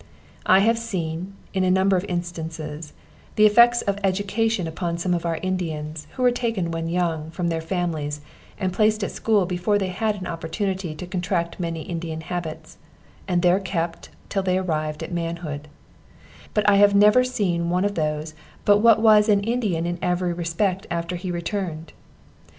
I have seen, in a number of instances, the effects of education upon some of our Indians, who were taken when young, from their families, and placed at school before they had had an opportunity to contract many Indian habits, and there kept till they arrived to manhood; but I have never seen one of those but what was an Indian in every respect after he returned.